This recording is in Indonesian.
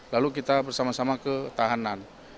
lalu kita bersama sama ke tahanan